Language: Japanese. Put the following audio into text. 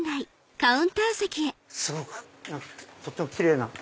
すごくとっても奇麗な。